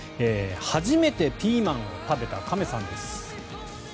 初めてピーマンを食べた亀さんです。